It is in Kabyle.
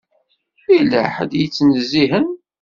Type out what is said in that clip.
Yella ḥedd i yettnezzihen.